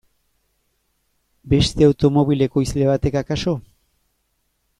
Beste automobil ekoizle batek akaso?